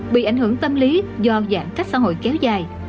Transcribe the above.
bị ảnh hưởng tâm lý do giãn cách xã hội kéo dài